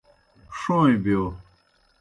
ݜوݩئیں بِیو۔